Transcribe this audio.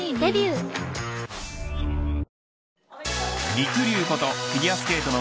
りくりゅうことフィギュアスケートの